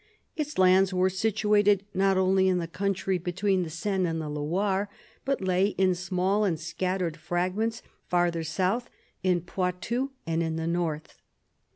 Its lands were situated not only in the country between the Seine and the Loire, but lay in small and scattered fragments farther south, in Poitou, and in the north.